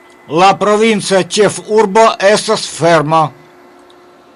La provinca ĉefurbo estas Fermo.